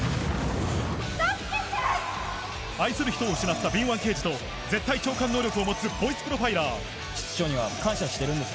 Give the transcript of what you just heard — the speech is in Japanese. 愛する人を失った敏腕刑事と絶対聴感能力を持つボイスプロファイラー室長には感謝してるんです。